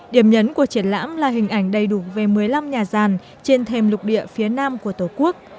điểm nhấn của triển lãm là hình ảnh đầy đủ về một mươi năm nhà gian trên thềm lục địa phía nam của tổ quốc